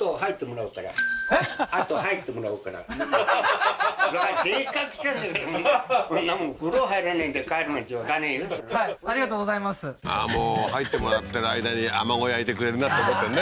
もう入ってもらってる間にアマゴ焼いてくれるなって思ってるね